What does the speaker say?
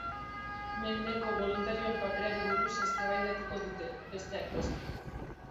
Mendeko boluntarioen paperari buruz eztabaidatuko dute, besteak beste.